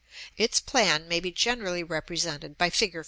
Its plan may be generally represented by Fig.